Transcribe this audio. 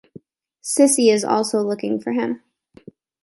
Sissy is also looking for him.